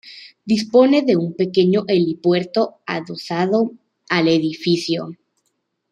Dispone de un pequeño helipuerto adosado al edificio.